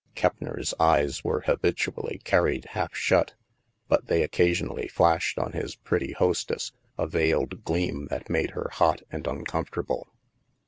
Keppner's eyes were habitually carried half shut, but they occasionally flashed on his pretty hostess a veiled gleam that made her hot and uncomfortable.